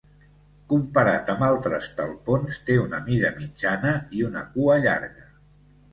Comparat amb altres talpons, té una mida mitjana i una cua llarga.